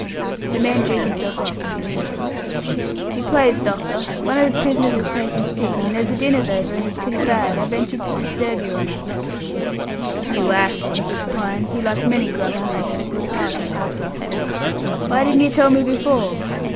The man drew himself up and saluted. "If you please, doctor, one of the prisoners is taken sick, and as the dinner's over, and he's pretty bad, I ventured to disturb your honour." "You ass!" says Pine who, like many gruff men, had a good heart under his rough shell "why didn't you tell me before?"